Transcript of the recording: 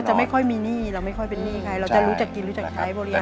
เพราะเราจะไม่ค่อยมีหนี้เราไม่ค่อยเป็นหนี้ไงเราจะรู้จักกินรู้จักใช้บริหารจัดการ